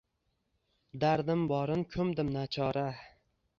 Dardim borin koʼmdim nachora.